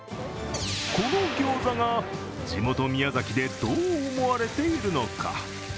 このギョーザが地元・宮崎でどう思われているのか。